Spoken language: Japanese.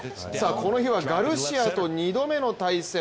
この日はガルシアと２度目の対戦。